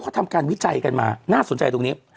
เขาทำการวิจัยกันมาน่าสนใจตรงนี้